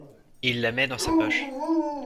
Il la met dans sa poche.